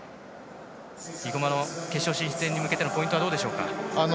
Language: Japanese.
生馬の決勝進出に向けてのポイントはどうでしょうか。